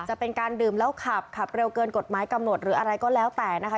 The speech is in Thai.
จะเป็นการดื่มแล้วขับขับเร็วเกินกฎหมายกำหนดหรืออะไรก็แล้วแต่นะคะ